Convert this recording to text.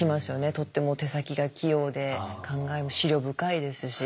とっても手先が器用で考えも思慮深いですし。